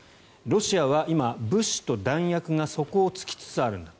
ロシアは今、物資と弾薬が底を突きつつあるんだ